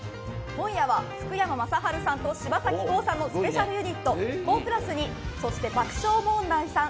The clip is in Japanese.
今夜は福山雅治さんと柴咲コウさんのスペシャルユニットＫＯＨ＋にそして爆笑問題さん